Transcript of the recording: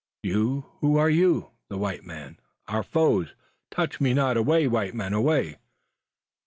"You! Who are you? The white men; our foes! Touch me not! Away, white men! away!"